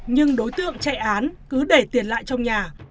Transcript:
nhưng đối tượng chạy án cứ để tiền lại trong nhà